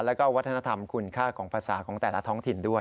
แล้วก็วัฒนธรรมคุณค่าของภาษาของแต่ละท้องถิ่นด้วย